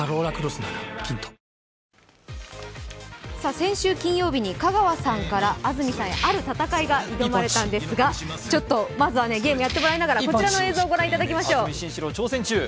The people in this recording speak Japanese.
先週金曜日に香川さんから安住さんへある戦いが挑まれたんですが、まずはゲームやってもらいながら、こちらの映像御覧いただきましょう。